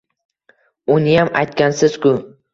Uniyam aytgansiz-ku